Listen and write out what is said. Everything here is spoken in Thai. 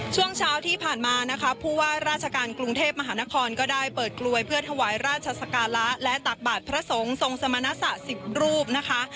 ช่วงเช้าที่ผ่านมานะคะผู้ว่าราชการกรุงเทพมหานครก็ได้เปิดกลวยเพื่อถวายราชสการะและตักบาทพระสงฆ์ทรงสมณสะ๑๐รูปนะคะ